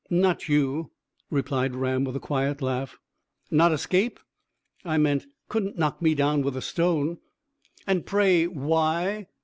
"Not you," replied Ram, with a quiet laugh. "Not escape?" "I meant couldn't knock me down with a stone." "And pray why?"